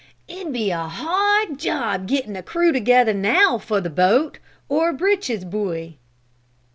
It'd be a hard job getting a crew together now for the boat, or breeches buoy."